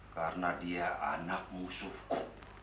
karena dia anak musuhku